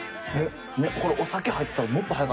これお酒入ってたらもっと早かった。